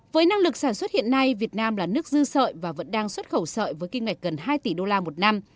với năng lực sản xuất hiện nay việt nam là nước dư sợi và vẫn đang xuất khẩu sợi với kinh ngạch gần hai tỷ đô la một năm